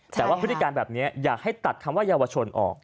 แต่ว่าพฤติการแบบนี้อยากให้ตัดคำว่าเยาวชนออก